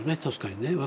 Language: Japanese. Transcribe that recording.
確かにね。